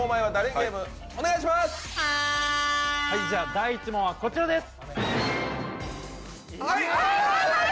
第１問はこちらです。